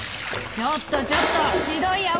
ちょっとちょっとしどい泡だよ。